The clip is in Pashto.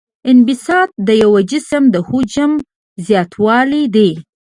انبساط د یو جسم د حجم زیاتوالی دی.